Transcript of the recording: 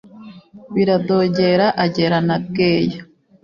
Biradogera agera na Bweya.